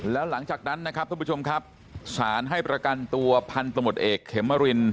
แล้วหลังจากนั้นนะครับท่านผู้ชมครับสารให้ประกันตัวพันธมตเอกเขมริน